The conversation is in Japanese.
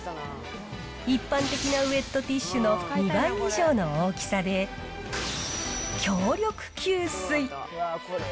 一般的なウエットティッシュの２倍以上の大きさで、強力吸水。